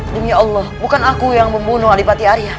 demi allah bukan aku yang membunuh alipati arya